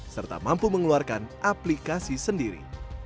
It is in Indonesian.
serta mampu mengeluarkan aplikasi sendiri